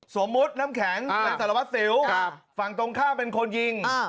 สมมติน้ำแข็งบรรสสารวัดเสี่ยวฝั่งตรงข้างเป็นคนยิงเอ่อ